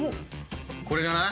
これじゃない？